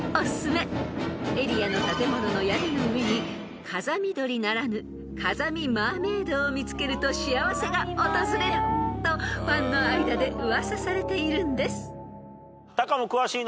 ［エリアの建物の屋根の上に風見鶏ならぬ風見マーメードを見つけると幸せが訪れるとファンの間で噂されているんです］